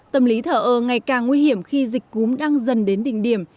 tâm lý thờ ơ ngày càng nguy hiểm khi dịch cúm đang dần đến đỉnh điểm